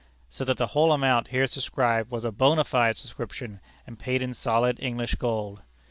So that the whole amount here subscribed was a bona fide subscription, and paid in solid English gold.